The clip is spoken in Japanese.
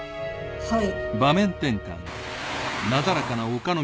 はい。